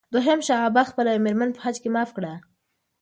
دوهم شاه عباس خپله یوه مېرمن په حج کې معاف کړه.